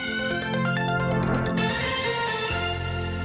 บ๊ายบาย